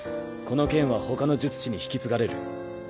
この件はほかの術師に引き継がれる。